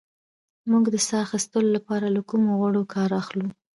موږ د ساه اخیستلو لپاره له کومو غړو کار اخلو